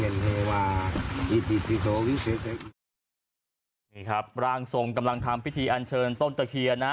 นี่ครับร่างทรงกำลังทำพิธีอันเชิญต้นตะเคียนนะ